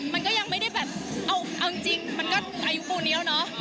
มันก็ยังไม่ได้แบบเอาจริงมันก็อายุปูนี้แล้วเนอะ